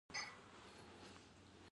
دوی د جګړو مخالف دي.